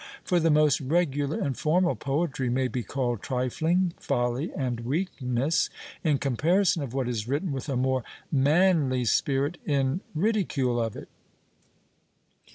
For the most regular and formal poetry may be called trifling, folly, and weakness, in comparison of what is written with a more manly spirit in ridicule of it.'